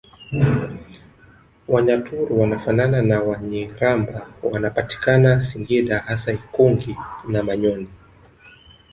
Wanyaturu wanafanana na Wanyiramba wanapatikana singida hasa ikungi na manyoni